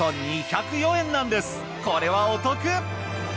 これはお得！